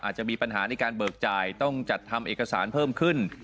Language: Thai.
อาจจะมีปัญหาในการเบิกจ่ายต้องจัดทำเอกสารเพิ่มขึ้น